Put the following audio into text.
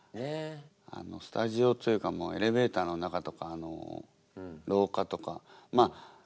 スタジオというかエレベーターの中とか廊下とか。